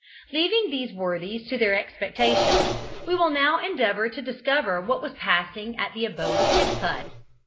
Leaving these worthies to their expectations, we will now endeavour to discover what was passing at the abode of Pigspud.